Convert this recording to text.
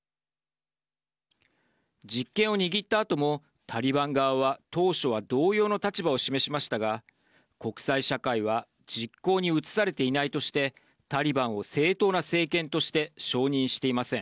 実権を握ったあともタリバン側は当初は同様の立場を示しましたが国際社会は実行に移されていないとしてタリバンを正当な政権として承認していません。